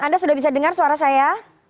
kita tidak bisa dengar suara saya